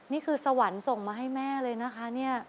นี่คือสวรรค์ส่งมาให้แม่เลยนะคะเนี่ย